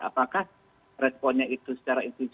apakah responnya itu secara institusi